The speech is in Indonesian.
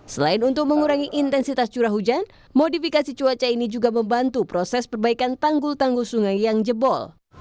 selain untuk mengurangi intensitas curah hujan modifikasi cuaca ini juga membantu proses perbaikan tanggul tanggul sungai yang jebol